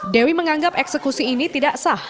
dewi menganggap eksekusi ini tidak sah